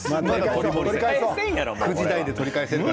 ９時台で取り返せるから。